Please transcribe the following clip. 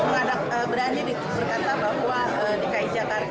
banyak berani di jakarta bahwa dki jakarta